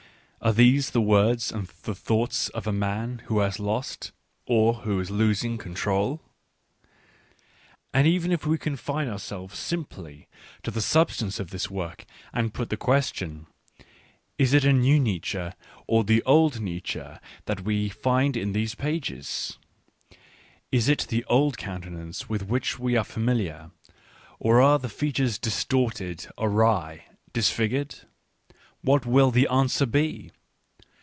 Are these the words and the thought s of a ma n who has lqsL or wjio is losing, control ?'"~* And even if we confineourselves~simply to the sub stance of this work and put the question — Is it a new Nietzsche or the old Nietzsche that we find in these pages ? Is it the old countenance with which we are familiar, or are the features distorted, awry , disfigured ? What will the answer be